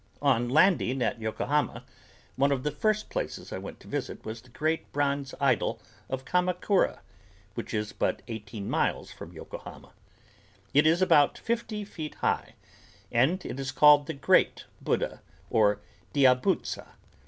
On landing at Yokohama, one of the first places I went to visit was the great bronze idol of Kamakura, which is but eighteen miles from Yokohama. It is about fifty feet high, and it is called the "Great Buddha" or "Diabutsa."